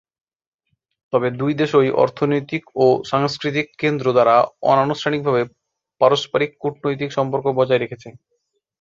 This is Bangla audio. তবে দুই দেশই অর্থনৈতিক ও সাংস্কৃতিক কেন্দ্র দ্বারা অনানুষ্ঠানিকভাবে পারস্পরিক কূটনৈতিক সম্পর্ক বজায় রেখেছে।